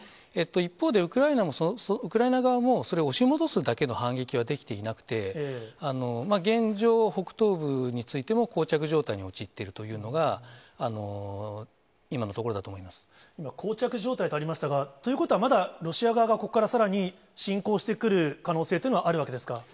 一方で、ウクライナ側もそれを押し戻すだけの反撃はできていなくて、現状、北東部についてもこう着状態に陥っているというのが、今のところ今、こう着状態とありましたが、ということは、まだロシア側が、ここからさらに進攻してくる可能性というのはあるわけですか？